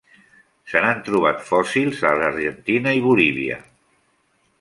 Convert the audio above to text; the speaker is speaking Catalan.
Se n'han trobat fòssils a l'Argentina i Bolívia.